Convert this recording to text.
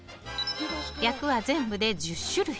役は全部で１０種類。